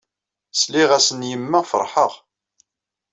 Sliɣ-as n yemma ferḥeɣ.